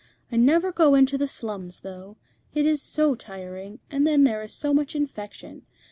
I never go into the slums, though. It is so tiring, and then there is so much infection.